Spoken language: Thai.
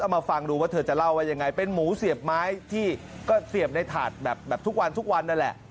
มาฟังดูว่าเธอจะเล่าว่ายังไงเป็นหมูเสียบไม้ที่ก็เสียบในถาดแบบทุกวันทุกวันนั่นแหละ